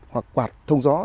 hoặc quạt thông gió